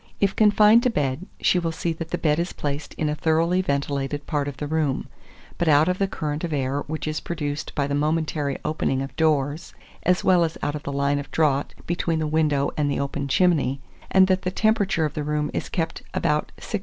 If confined to bed, she will see that the bed is placed in a thoroughly ventilated part of the room, but out of the current of air which is produced by the momentary opening of doors, as well as out of the line of draught between the window and the open chimney, and that the temperature of the room is kept about 64°.